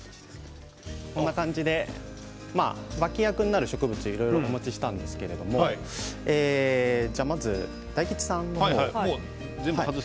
こんな感じで脇役になる植物をいろいろお持ちしたんですけどまず大吉さんの方。